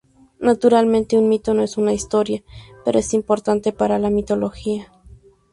Naturalmente un mito no es una historia, pero es importante para la mitología.